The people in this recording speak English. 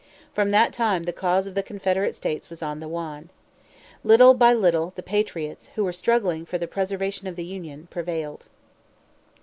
From that time the cause of the Confederate States was on the wane. Little by little the patriots, who were struggling for the preservation of the Union, prevailed.